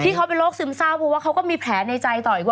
เขาเป็นโรคซึมเศร้าเพราะว่าเขาก็มีแผลในใจต่ออีกว่า